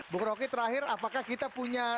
bu kroki terakhir apakah kita punya